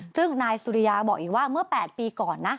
ซึ่งนายสุริยาบอกอีกว่าเมื่อ๘ปีก่อนนะ